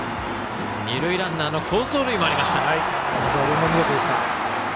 二塁ランナーの好走塁もありました。